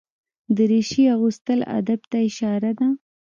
دریشي اغوستل ادب ته اشاره ده.